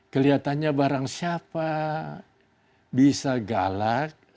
kelihatannya barang siapa bisa galak